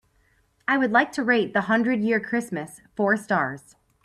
I would like to rate The Hundred-Year Christmas four stars.